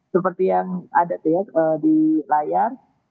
seperti yang ada di layar